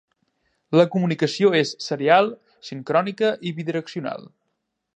La comunicació és serial, sincrònica i bidireccional.